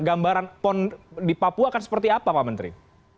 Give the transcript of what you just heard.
gambaran pon di papua akan seperti apa pak menteri